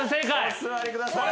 お座りください。